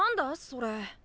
それ。